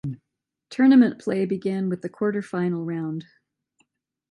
Tournament play began with the quarterfinal round.